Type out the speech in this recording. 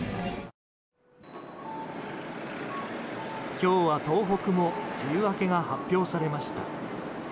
今日は東北も梅雨明けが発表されました。